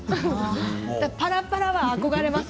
だから、ぱらぱらは憧れます。